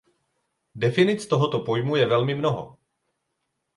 Definic tohoto pojmu je velmi mnoho.